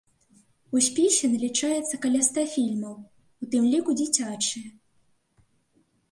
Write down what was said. У спісе налічаецца каля ста фільмаў, у тым ліку дзіцячыя.